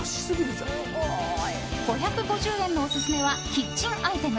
５５０円のオススメはキッチンアイテム。